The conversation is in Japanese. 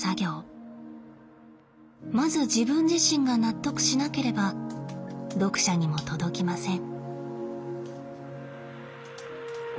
まず自分自身が納得しなければ読者にも届きません。